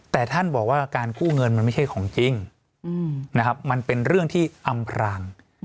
แต่ท่านบอกว่าการกู้เงินมันไม่ใช่ของจริงนะครับมันเป็นเรื่องที่อำพราง